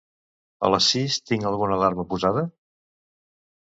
A les sis tinc alguna alarma posada?